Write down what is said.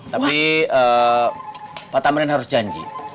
tapi pak tamrin harus janji